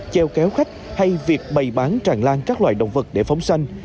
treo kéo khách hay việc bày bán tràn lan các loài động vật để phóng xanh